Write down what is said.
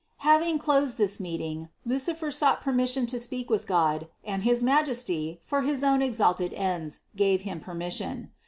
125. Having closed this meeting, Lucifer sought per mission to speak with God, and his Majesty, for his own exalted ends, gave him permission.